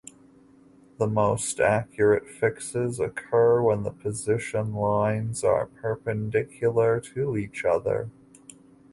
The most accurate fixes occur when the position lines are perpendicular to each other.